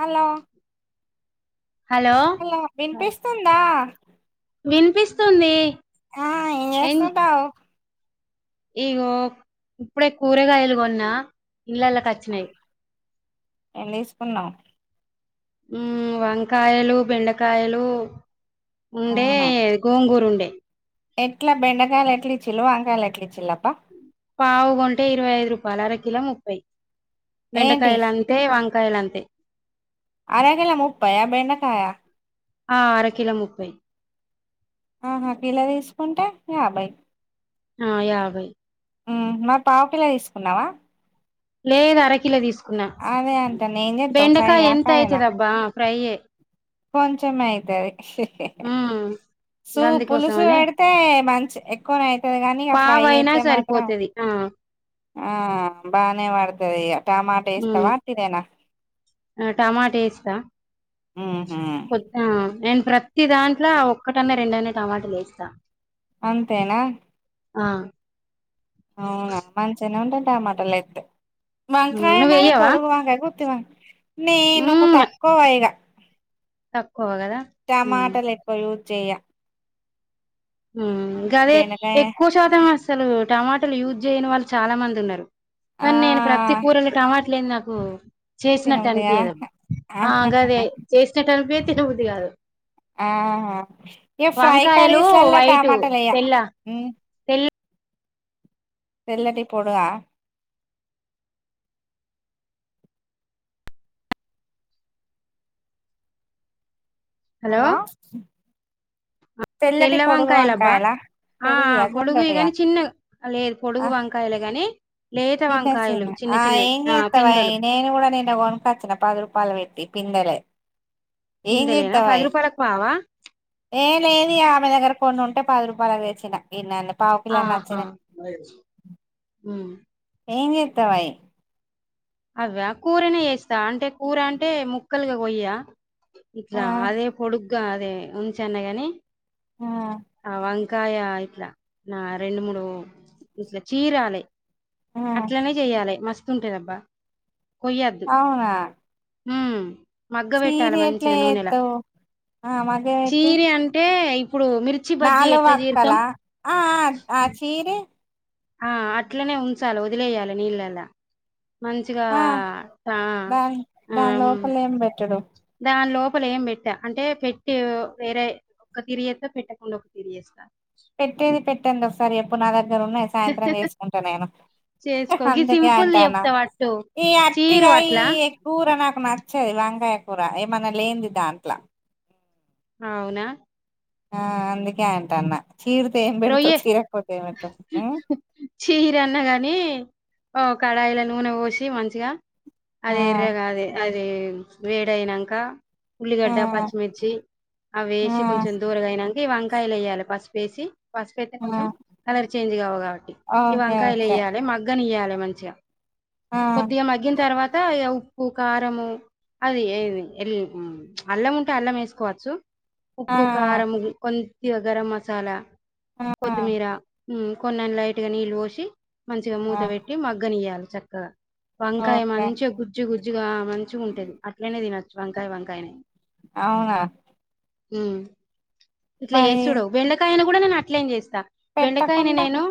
Hello hello వినిపిస్తుందా వినిపిస్తుంది ఆ ఏజేస్తుంటావ్ ఈగో ఇప్పుడే కూరగాయల్ గొన్న ఇండ్లలకచ్ ఏం దీస్కున్నావ్ ఊ వంకాయలు బెండకాయలు ఉండే గోంగూరుండే ఎట్ల బెండకాయల్ ఎట్లిచ్చిల్లు వంకాయ్ లెట్లిచ్చిల్లబ్బా పావు గొంటే ఇరవై ఐదు రూపాల్ అర కిలో ముప్పై ఏంటి బెండకాయలం తె వంకాయలంతే అర కిలో ముప్పయ బెండకాయ ఆ అర కిలో ముప్పై ఆహా పిల దీస్కుంటే యాబయ్ ఆ యాబై ఊహు మరి పావ్ పిలో దీస్కున్నావ లేదు అరకిలో దీస్కున్న అదే అంటన్న ఏం చేత్తవ్ బెండకాయ్ ఫ్రైయా ఎంతైతదబ్బా ఫ్రైయ్యే కొంచమైతది ఉమ్ సూ గందుకోసం పులుసు అనే వెడితే మంచి ఎక్కువనే అయితది గాని ఇగ ఫ్రై పావయినా అయితే మాత్రం సరిపోతది ఆ ఆ బానే వడతదియ్యా టమాట ఏస్తవ తిదేన ఆ టమాట ఏస్త మూహూ ఆ నేన్ ప్రత్తి దాంట్లో ఒక్కటన్నా రెండన్న టమాటలేస్తా అంతేనా ఆ అవునా మంచిగనే ఉంటాద్ టమాట లేత్తె హ్మ్. వంక్రాయ నువ్వు మరి వెయ్యవా పొడుగు వంకాయ గుత్తి వన్ నేను మ్మ్ తక్కువ ఇగ తక్కువ కదా మ్మ్ టమాటలెక్కువ యూ చెయ్య ఊ గదే బెండకాయ ఎక్కువ శాతం అస్సలు టమాటలు యూజ్ జేయని వాళ్ళు చాలా మంది ఉన్నరు ఆ కానీ నేను ప్రతి కూరల్లి టమాట్లేంద్ నాకూ చేసినట్ట్ తినబుద్ధి కాదు అనిపియ్యదబ్బా ఆగదే చేస్నట్టు అనిపియ్యదు తినబుద్ది గాదు ఆహ ఇగ ఫ్రై కరీస్లల్ల వైటు టమాటలేయ్య తెల్ల ఊ తెల్ల తెల్లటి పొడువా హలో అల్లో తెల్ల వంకాయలబ్బా వంకాయలా ఆ పొడుగియా పొడుగువి గుండ్రటియా గాని చిన్నగ లేదు ఆ పొడువు వంక్ కాయలేగనీ ఆ ఏం జేత్తవే పిందెలు నే నేన్ గుడ నింద గొనుకొచ్చిన పది రూపాయిల్ వెట్టి పిందెలే ఏం పిందెలేనా జేత్తవే పది రూపాయలకు పావా ఏ లేదిగ ఆమె దగ్గెర కొన్ని ఉంటే పదురుపాయలవి దెచ్చిన ఇన్నెన్నొ ఆహా ఊ ఏం జేత్తవయ్ అవ్యా కూరనే ఏస్తా అంటే కూర అంటే ముక్కలుగా గొయ్యా ఆ ఇట్లా అదే పొడుగ్గా అదే ఉంచానేగాని ఆ ఆ వంకాయ ఇట్ల నా రెండు మూడు ఇట్ల చీరాలే ఆ అట్లనే జెయ్యాలే మస్తుంటదబ్బా కొయ్యద్దు అవునా హూ మగ్గ చీర పెట్టాలి ఎట్లా మంచిగా నూనెలా చేత్తవు ఆ మగ్గం చీరి అంటే ఇప్పుడు మిర్ నాలు వక్కల ఆఆ ఆ చీరి ఆ అట్లనే ఉంచాల వదిలేయాలి నీళ్ళలా మంచిగా ఆ ట దాని దాని అం లోపల ఏం పెట్టడు దాని లోపల ఏం పెట్ట అంటే పెట్టి వేరే ఒక్క తీరిచేత్త పెట్టకుండా ఒక తీరిచేస్తా పెట్టేది పెట్టండి ఒకసారి చెప్పు నా దగ్గర ఉన్నాయి సాయంత్రం చేసుకుంటా నేను చేసుకో గీ అందుకే సింపుల్ అంటన్న చెప్తా వట్టు ఈ చీరు అట్టిగా ఈ అట్లా కూర నాకు నచ్చది వంకాయ కూర ఏమన్నా లేంది దాంట్లా అవునా ఆ అందుకే అంటన్న చీరితే ఏం పెడతావ్ రొయ్యే చీరకపోతే ఏం పెడతావు ఉమ్మ్ చీరి అన్న గాని ఓ కడాయిల నూనె పోసి మంచిగా ఆ అది ఎర్రగా అదే అది వేడి అయినాంక ఆ ఉల్లిగడ్డ పచ్చిమిర్చి ఆ అవేసి కొంచెం దొరగా అయినాం ఈ వంకాయలు ఏయ్యాలే పసుపు ఏసి పసుపు ఏతే కొంచెం ఆ కలర్ చేంజ్ కావు కాబట్టి ఈ ఓకే వంకాయలు ఓకే ఏయ్యాలే మ గ్గ నియ్యలే మంచిగా ఆ కొద్దిగా మగ్గిన తర్వాత ఇగ ఉ ప్పు కారము అది ఏది ఎల్ ఉమ్ అల్లం ఉంటే అల్లం ఏసుకోవచ్చు ఆ ఉప్పు కారం కొద్దిగా గరం మసాలా ఆ కొత్తిమీర ఉమ్మ్ కొన్నన్ని లైట్‌గా నీళ్లు పోసి మంచిగా మూత ఆ పె ట్టి మగ్గనియ్యలి చక్కగా వంకాయ ఓకే మంచిగా గు జ్జు గుజ్జుగా మంచిగా ఉంటది అట్లనే తినచ్చు వంకాయ వంకాయనే అవునా ఉమ్మ్ ఇట్లా మరి చేసుడు బెండకాయని కూడా నేను అట్లేన్ చేస్తా బెండకాయని పెట్టకుండా నేను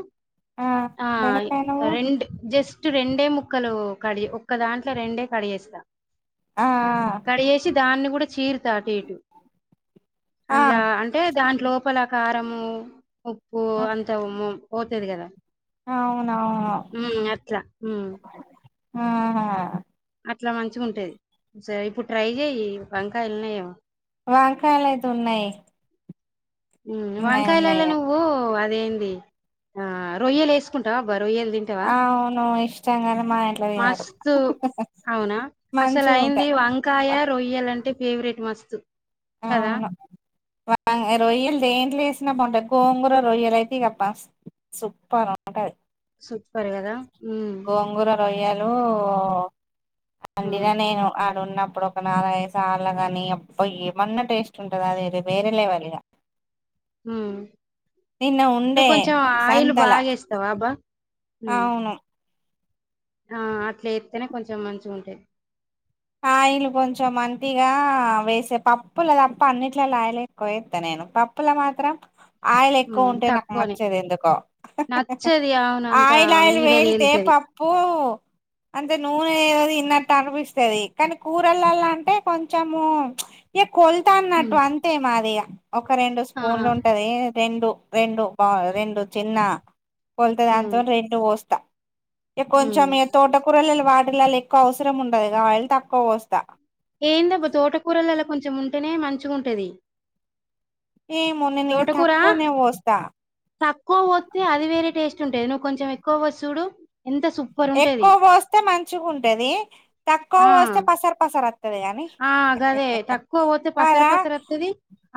ఆ బెండకాయ నువ్వు రెండు జస్ట్ రెండే ముక్కలు కడ్ ఒక్క దాంట్లో రెండే కడ్ చేస్తా ఆ కడియేసి దాన్ని కూడా చీరుతా అటు ఇటు ఆ అందులా అంటే దాంట్లోపల కారము ఉప్పు ఆ అంత ఉమ్ము పోతది కదా అవునవును ఉమ్మ్ అట్లా ఉమ్మ్ ఆహా అట్లా మంచిగా ఉంటది సో ఇప్పుడు ట్రై చెయ్యి వంకాయలు ఉన్నాయేమో వంకాయలు అయితే ఉన్నాయి ఉమ్మ్ ఉన్నాయి ఉన్నాయి వంకాయలలో నువ్వు అదేంది ఆ రొయ్యలు ఏసుకుంటావా అబా రొయ్యలు తిం ఆ అవును ఇష్టం గాని మా ఇంట్లో తినరు మస్తు అవునా అసలు అయింది మంచిగుంటయ్ వంకాయ రొయ్యలు అంటే ఫేవరెట్ మస్తు కదా అవును వ రొయ్యలు దేంట్లో ఏసినా బాగుంటాది గోంగూర రొయ్యలు అయితే ఇగ బా సూపర్ ఉంటది సూప్పర్ కదా ఉమ్మ్ గోంగూర రొయ్యలు అండిన మ్మ్ నేను ఆడున్నప్పుడు ఒక నాలుగైదు సార్లు కానీ అబ్బా ఏమన్నా టేస్ట్ ఉంటదా అది వేరే లెవెల్ ఇగ మ్మ్ నిన్న ఉండే సంతల తవాబా అవును ఆ అట్ల ఎత్తేనే కొంచెం మంచిగుంటే ఆయిలు కొంచెం మంతిగా వేసే పప్పు లేదప్ప అన్నిట్లల్లో ఆయిలే కొయొత్తా నేను పప్పుల మాత్రం ఆయిలు ఎక్కువ మ్మ్ ఉంటే నాకు తక్కువనే నచ్చదు ఎందుకో నచ్చది అవును అంతా ఆయిల్ ఆయిల్ మీద వేలితే ప తేలుతది పూ అంటే నూనె ఏది ఇన్నట్టు అనిపిస్తది కానీ కూరలల్లా అంటే కొంచము ఇ కొలొత అన్నట్టు మ్మ్ అంతే మాదియ్య ఒక రెండు ఆ స్పూన్లు ఉంటది రెండు రెండు బా రెండు చిన్న కొలత మ్మ్ దానితోటి రెండు పోస్తా ఈ కొంచెం మ్మ్ ఈ తోటకూరలల్లో వాటిల్లల్లో క్కువ అవసరం ఉండదుగా ఆయిల్ తక్కువ పోస్తా ఏందబ్బ తోటకూరల్లో కొంచెం ఉంటేనే మంచిగుంటది ఏమో నేను ఇగ తోటకూర తక్కువనే వోస్తా తక్కువ వోత్తే అది వేరే టేస్ట్ ఉంటది నువ్వు కొంచెం ఎక్కువ పోసి చూడు ఎంత సూపర్ ఉంటది ఎక్కువ పోస్తే మంచిగుంటది తక్కువ ఆ పోస్తే పసరు పసర ఆ గదే తక్కువ పోత్తే పసరు కాదా పసరొత్తది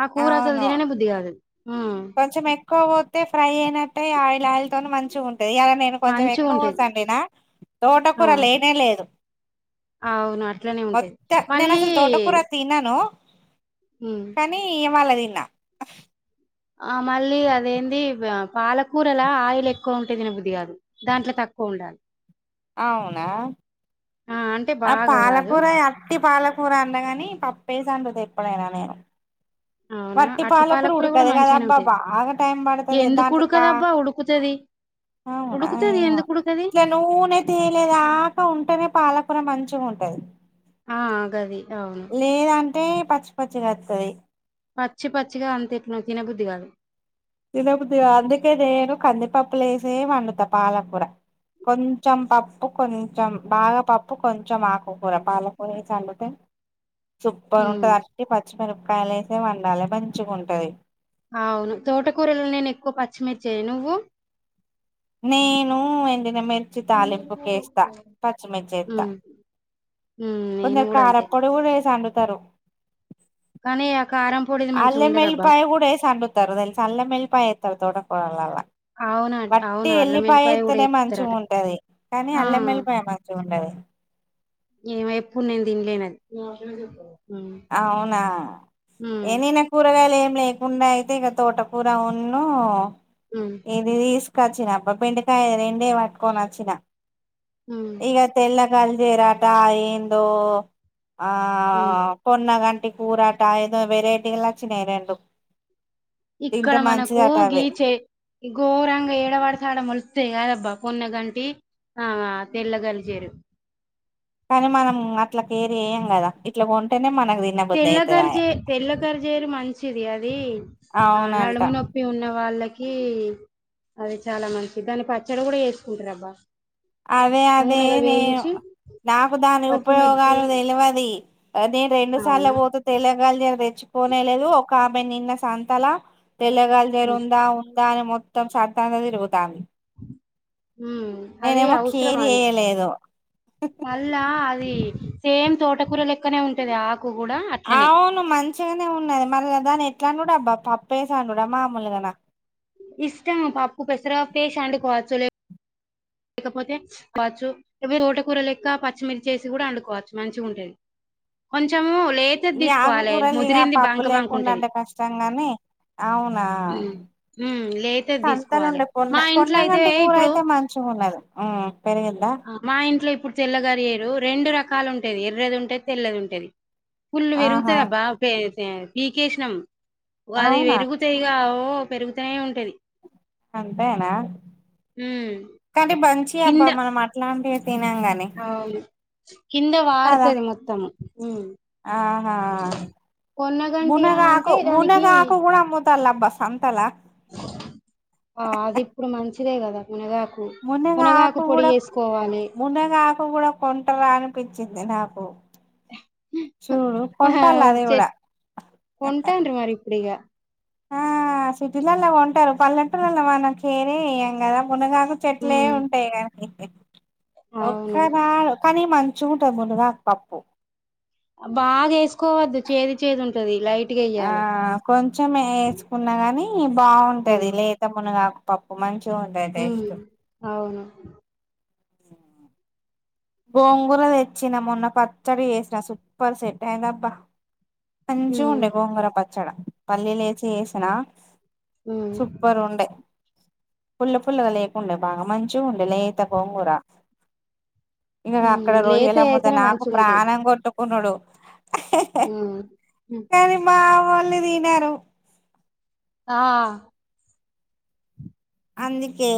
ఆ కూర అసలు అవును తిననే బుద్ధి కాదు ఊ కొంచెం ఎక్కువ పోత్తే ఫ్రై అయినట్టే ఆయిల్ ఆయిల్ తను మంచి ఉంటయి ఇలా నేను కొంచెం ఎక్కువోసి మంచిగుంటది అండినా తోట ఆ కూర లేనే లేదు అవును అట్లనే ఉంటది మొత్త నేను మళ్ళీ అసలు తోటకూర తన్నాను ఊ కానీ ఓవాళ తిన్నా ఆ మళ్ళీ అదేంది ఆ పాలకూరల ఆయిల్ ఎక్కువ ఉంటే తినబుది కాదు దాంట్లో తక్కువ ఉండా అవునా ఆ అంటే ఆ బాగా కాదు పాలకూర యా ట్టి పాలకూర అండగానీ పప్పేసి అండుతా ఎప్పుడైనా నేను అవునా వట్టి అట్టి పాలకుర పాలకూర కూడా ఉడకదు మంచిగానే కదబ్బా ఉంటది బాగా టైం పడుతది ఎందుకు దాంట్లెకా ఉడకదబ్బా ఉడుకుతది అవునా ఉడుకుతది ఏమో ఎందుకు ఉడకది నూనె తేలేదాకా ఉంటేనే పాలకూర మంచిగుంటది ఆ గది అవును లేదంటే పచ్చి పచ్చిగా వత్తది పచ్చి పచ్చిగా అంతెట్లో తినబుద్ది కాదు తినబుద్ది కాదు అందుకే నేను కందిపప్పులో ఏసే వండుతా పాలకూర కొంచెం పప్పు కొంచెం బాగా పప్పు కొంచెం ఆకుకూర పాలకూర ఏసి అండితే సూపర్ ఉమ్ ఉంటది అట్టి పచ్చిమిరపకాయలు ఏసే వండాలి మంచిగుంటది అవును తోటకూరలో నేను ఎక్కువ పచ్చిమిర్చి ఎయ్యు నువ్వు నేను ఎండినమిర్చి తాలింపుకేస్తా పచ్చిమిర్చి ఏత్తా ఉమ్ ఉమ్ నేను కొందరు కూడా అంతే కారప్పొడి కూడా ఏసి అండుతారు కానీ ఆ కారం పొడిది మంచిగా అల్లం ఉండదబ్బా ఎల్లిపాయ కూడా ఏసి అండు తారు తెలుసా అల్లం ఎల్లిపాయ ఏత్తారు తోటకూరలల్ల అవును వట్టి అవును అల్లం ఎల్లిపాయ కూడా ఏత్తేనే ఎత్తరట మంచిగుంటది కానీ ఆ అల్లం ఎల్లిపాయ మ చిగుండది ఏమో ఎప్పుడూ నేను తిన్లేనే నాకెందుకు చెప్తావ్ అవునా ఏ నేనా కూరగాయలు ఏం లేకుండా అయితే ఇగ తోటకూర ఉన్ను ఉ ఇది తీసుకొచ్చినా అబ్బా బెండకాయ ఆ రెండే పట్టుకొని వచ్చిన హ్మ్ ఇక తెల్లగలజేరాట ఆ ఏందో ఆ ఉమ్ పొన్నగంటి కూరాలట ఏదో వెరైటీలు వచ్చినాయి రెండు ఇక్కడ తింటే మనకు మంచిదట అవి గీచే ఘోరంగా ఏడవడితే అడ మోలుస్తాయి కదబ్బా పోన్నగంటి ఆ తెల్ల గల్జేరు కానీ మనం అట్లా కేర్ చేయ్యం కదా ఇట్లా కొంటేనే మనకు తె తెల్ల గర్జేరు తెల్లగర్ జేరు మంచిది అది ఆ అవునంట నడుము నొప్పి ఉన్న వాళ్ళకి అది చాలా మంచిదాని దాని పచ్చడి కూడా వేసుకుంటారు అబ్బా అదే అదే నూనెలో నేను వేయించి నాకు దాని పచ్చిమిర్చి ఉపయోగాలు తెలువది అదే రెండు సార్ల అవునా పో తెల్ల గల్జేరు తెచ్చుకోనేలేదు ఒక ఆమె నిన్న సంతల తెల్లగల రు ఉందా ఉందా అనీ మొత్తం సంత అంతా తిరుగుతాంది ఊహ్మ్ నేనేమో కేర్ చేయలేదు హ్మ్ మళ్ళా అది సేమ్ తోటకూర లెక్కనే ఉంటది ఆ ఆకు కూడా అట్లనే అవును మంచిగానే ఉన్నాది మరి దాని ఎట్లా వండుడబ్బా పప్పేసి వండుడా మామూలుగాన ఇష్టం పప్పు పెసరా పప్పు వేసి వండుకోవచ్చు లే కపోతే పచ్చు తోటకూర లెక్క పచ్చిమిర్చి వేసి కూడా వండుకోవచ్చు మంచిగా ఉంటది కొంచెము లే ఈ ఆకుకూరలు ఇక పప్పు లేకుండా ఉంటది అంటే కష్టంగాని అవునా ఉమ్ లేతది తీసుకోవాలి సంతలుండే కొన్న మా ఇంట్లో అయితే పోన్నగంటే ఇప్పుడు కూరయితే మంచి మంచిగున్నది హ్మ్ పెరిగిందా మా ఇంట్ల ఇప్పుడు తెల్ల గరిజేరు రెండు రకాలు ఉంటది ఎర్రది ఉంటది తెల్లది ఉంటది ఫుల్లు పెరుగుతా ఆహా అబ్బా పె తె పీకేసినం అది అవునా పెరుగు తే ఇగా ఓ పెరుగుతనే ఉంటది అంతేనా ఉమ్ కాని మంచియి కింద అబ్బా మనం అట్లాంటివే తినలే కాని అవును కింద పార్తది మొత్తము ఆహా కొన్నగంటి మునగా ఆకు అంటే దానికి మునగా ఆకు కూడా అమ్ముతాల్లు అబ్బ సంతల ఆ అది ఇప్పుడు మంచిదే కదా మునగాకు మునగా మునగాకు ఆకు పొడి కూడా చేసుకోవాలి మునగా ఆకు కూడా కొంటరా అనిపించింది నాకు చూడు ఆహా కొంటాల్లు చెట్ అదికూడా కొంటాండ్రి మరి ఇప్పుడిగా ఆ సిటీలలా కొంటారు పల్లెటులలా మనం కేరే చెయ్యం కదా మునగాకు చెట్లే ఉమ్ ఉంటాయి కానీ అవును ఒక్కనాడు కానీ మంచిగా ఉంటది మునగాకు పప్పు బాగా వేసుకోవద్దు చేదు చేదు ఉంటది లైట్గా ఆ వేయ్యాలి కొంచెం వేసుకున్నా గాని బాగుంటది ఉమ్ లేత మునగాకు పప్పు మంచిగా ఉంటది ఉమ్ అవును ఆ గోంగూర తెచ్చిన మొన్న పచ్చడి చేసిన సూపర్ సెట్ అయింది అబ్బా ఉమ్ మంచిగుండే గోంగూర పచ్చడ పల్లిలేసి చేసిన ఉమ్ సూపర్ ఉండే పుల్ల పుల్లగా లేకుండే బాగా మంచిగుండే లేత గోంగూర ఇంగగా ఉమ్ అక్కడ రొయ్యలు లేతయి అమ్మితే అయితేనే నాకు మంచిగుంటాయి ప్రాణం కొట్టుకున్నాడు ఉమ్మ్ కానీ మా వొళ్ళు తినరు ఆ అందుకే